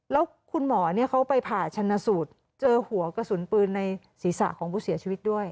แล้วคุณหมอเขาไปผ่าชนะสูตรเจอหัวกระสุนปืนในศีรษะของผู้เสียชีวิตด้วย